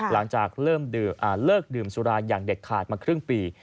หลังจากเลิกดื่มสุราอย่างเด็ดขาดมาครึ่งปี